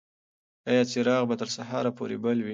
ایا څراغ به تر سهار پورې بل وي؟